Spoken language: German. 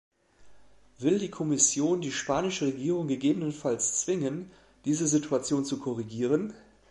Will die Kommission die spanische Regierung gegebenenfalls zwingen, diese Situation zu korrigieren?